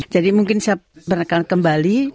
jadi mungkin saya akan kembali